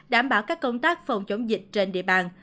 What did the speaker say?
đảm bảo các công tác phòng chống dịch trên địa bàn